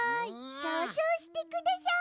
そうぞうしてください。